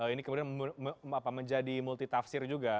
ini kemudian menjadi multi tafsir juga